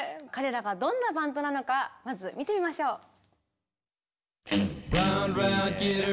彼らがどんなバンドなのかまず見てみましょう。